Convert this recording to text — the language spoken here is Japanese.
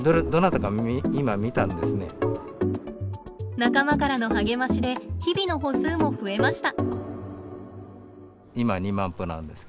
仲間からの励ましで日々の歩数も増えました。